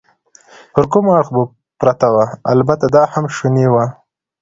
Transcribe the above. پر کوم اړخ به پرته وه؟ البته دا هم شونې وه.